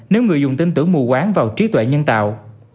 nếu người dùng tin tưởng mù quán vào trí tuệ nhân tạo